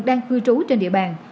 đang cư trú trên địa bàn